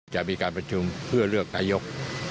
จะมีการประชุมเพื่อเลือกนายก